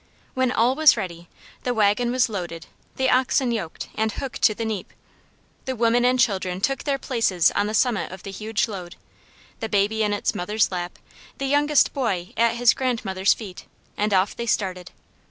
When all was ready, the wagon was loaded, the oxen yoked and hooked to the neap; the women and children took their places on the summit of the huge load, the baby in its mother's lap, the youngest boy at his grandmother's feet, and off they started.